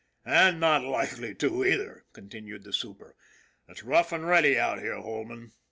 " And not likely to, either," continued the super. " It's rough and ready out here, Holman.